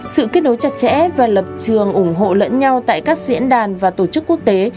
sự kết nối chặt chẽ và lập trường ủng hộ lẫn nhau tại các diễn đàn và tổ chức quốc tế